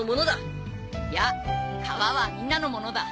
いや川はみんなのものだ。